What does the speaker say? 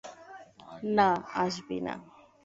না, আসবি না।